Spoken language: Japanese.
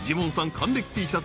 還暦Ｔシャツ］